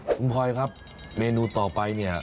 คุณพลอยครับเมนูต่อไปเนี่ย